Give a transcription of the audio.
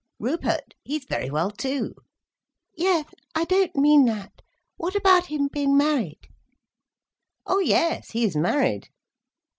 "Rupert? He's very well, too." "Yes, I don't mean that. What about him being married?" "Oh—yes, he is married."